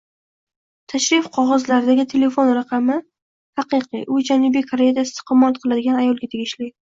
Tashrif qog‘ozlaridagi telefon raqami haqiqiy, u Janubiy Koreyada istiqomat qiladigan ayolga tegishli